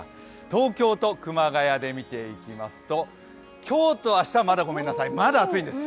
東京と熊谷で見ていきますと、今日と明日、まだごめんなさい、まだ暑いんです。